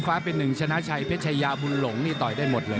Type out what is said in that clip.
ฟ้าเป็นหนึ่งชะนาชัยเพชัยาบุลหลงนี่ต่อยได้หมดเลยครับ